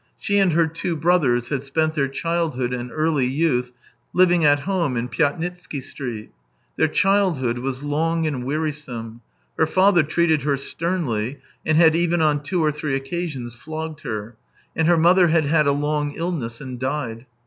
She and her two brothers had spent their childhood and early youth, living at home in Pyatnitsky Street. Their childhood was long and wearisome; her father treated her sternly, and had even on two or three occasions flogged her, and her mother had had a long illness and died.